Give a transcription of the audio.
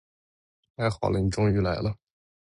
太好了，你终于来了。